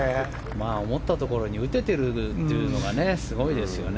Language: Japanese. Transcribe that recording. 思ったところに打ててるというのがすごいですよね。